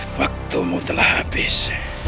waktumu telah habis